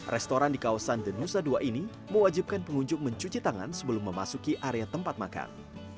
restoran di kawasan the nusa dua ini mewajibkan pengunjung mencuci tangan sebelum memasuki area tempat makan